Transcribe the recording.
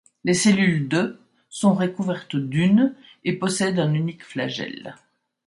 Les cellules de sont recouvertes d'une et possèdent un unique flagelle.